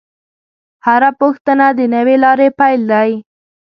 هره پوښتنه د نوې لارې پیل دی.